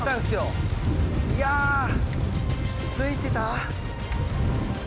いやついてた？